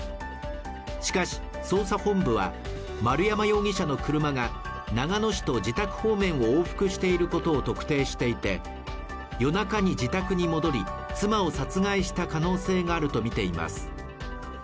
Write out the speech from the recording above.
しかし捜査本部は丸山容疑者の車が長野市と自宅方面を往復していることを特定していて夜中に自宅に戻り、妻を殺害した可能性があるとみています。